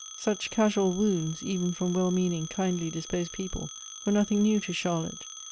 Such casual wounds, even from well meaning, kindly disposed people, were nothing new to Charlotte.